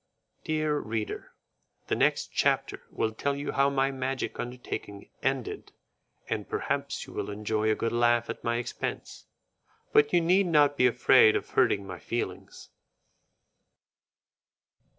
Dear reader, the next chapter will tell you how my magic undertaking ended, and perhaps you will enjoy a good laugh at my expense, but you need not be afraid of hurting my feelings.